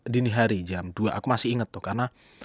dini hari jam dua aku masih ingat tuh karena